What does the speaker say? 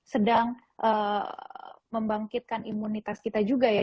sedang membangkitkan imunitas kita juga ya